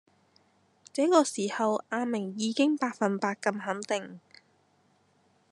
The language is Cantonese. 這個時候阿明已經百份百咁肯定